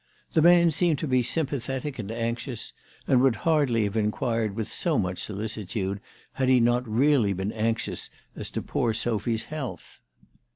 The man seemed to be sympathetic and anxious, and would hardly have inquired with so much solicitude had he not really been anxious as to poor Sophy's health.